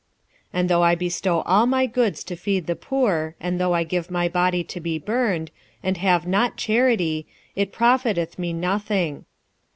46:013:003 And though I bestow all my goods to feed the poor, and though I give my body to be burned, and have not charity, it profiteth me nothing.